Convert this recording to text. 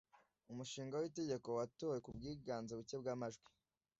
umushinga w’itegeko watowe ku bwiganze buke bw’amajwi